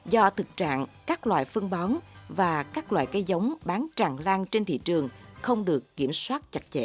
do thực trạng các loại phân bón và các loại cây giống bán tràn lan trên thị trường không được kiểm soát chặt chẽ